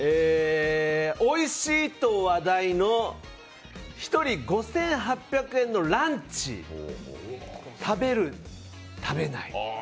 おいしいと話題の１にん５８００円のランチ、食べる、食べない？